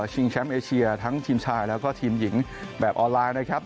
แชมป์เอเชียทั้งทีมชายแล้วก็ทีมหญิงแบบออนไลน์นะครับ